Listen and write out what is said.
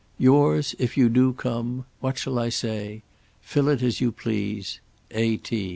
Yours if you do come ; what shall I say? Fill it as you please. A.